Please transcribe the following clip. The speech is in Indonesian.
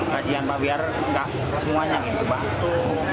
kasihan pak biar semuanya gitu pak